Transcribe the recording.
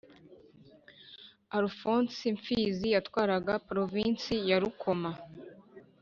Alfonsi Mfizi yatwaraga Provinsi ya Rukoma.